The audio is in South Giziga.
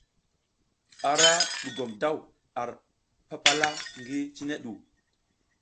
Ara dugum daw ar papala ngi cine ɗu.